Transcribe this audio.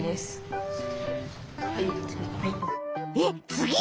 えっ次？